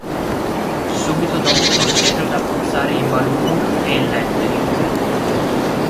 Subito dopo procede ad abbozzare i "balloon" e il "lettering".